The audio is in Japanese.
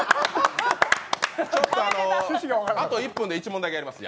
ちょっと、あと１分で１問だけやります。